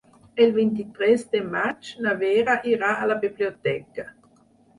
El vint-i-tres de maig na Vera irà a la biblioteca.